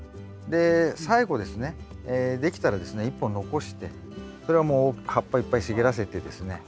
で最後ですねできたらですね１本残してそれはもう葉っぱいっぱい茂らせてですね